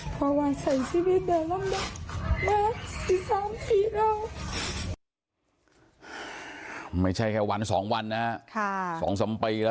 พอไวใส่ชีวิตแม่ลำบาปซี่สามปีแล้ว